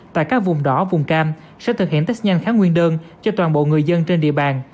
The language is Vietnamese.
tại các vùng đỏ vùng cam sẽ thực hiện test nhanh khá nguyên đơn cho toàn bộ người dân trên địa bàn